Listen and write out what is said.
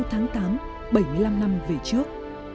tháng tám bảy mươi năm năm về trước